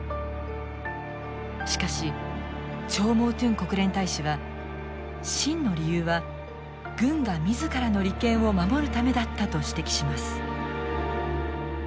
しかしチョー・モー・トゥン国連大使は真の理由は軍が自らの利権を守るためだったと指摘します。